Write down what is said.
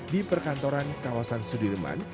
di perkantoran kawasan sudirman